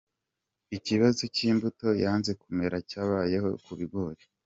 Ikibazo cy’imbuto yanze kumera cyabayeho ku bigori.